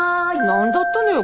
なんだったのよ